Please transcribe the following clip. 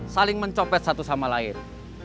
saling mencopet satu sama lain